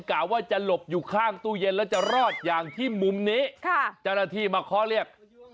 กะว่าจะหลบอยู่ข้างตู้เย็นแล้วจะรอดอย่างที่มุมนี้เจ้าหน้าที่มาเคาะเรียก